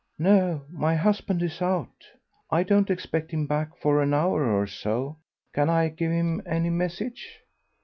"No, my husband is out. I don't expect him back for an hour or so. Can I give him any message?"